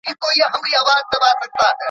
ما ته د خپلو وړیو شړۍ کول پکار دي.